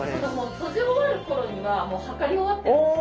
閉じ終わる頃にはもう測り終わってるんですよ。